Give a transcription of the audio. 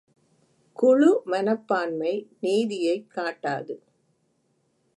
குழு மனப்பான்மை நீதியைக் காட்டாது.